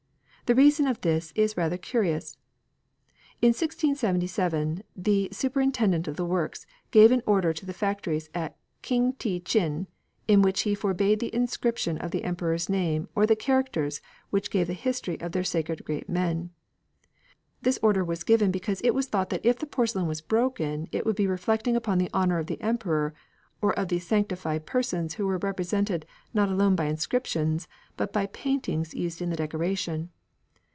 The reason of this is rather curious. In 1677 the superintendent of the works gave an order to the factories at King te chin, in which he forbade the inscription of the Emperor's name or the characters which gave the history of their sacred great men. This order was given because it was thought that if the porcelain was broken it would be reflecting upon the honour of the Emperor or of these sanctified persons who were represented not alone by inscriptions, but by paintings used in the decoration.